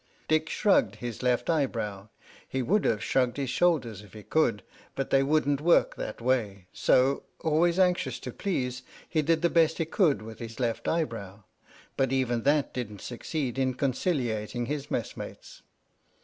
Dick shrugged his left eyebrow. He would have shrugged his shoulders if he could, but they wouldn't work that way; so, always anxious to please, he did the best he could with his left eyebrow, but even that didn't succeed in conciliating his messmates.